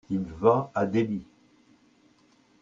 Il va à Delhi ?